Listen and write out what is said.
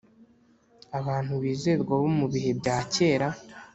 Abantu bizerwa bo mu bihe bya kera